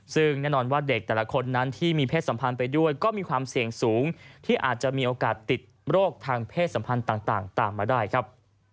ซึ่งแน่นอนว่าเด็กแต่ละคนนั้นที่มีเพศสัมพันธ์ไปด้วยก็มีความเสี่ยงสูงที่อาจจะมีโอกาสติดโรคทางเพศสัมพันธ์ต่างตามมาได้ครับ